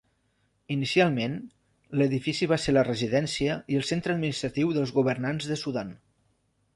Inicialment, l'edifici va ser la residència i el centre administratiu dels governants de Sudan.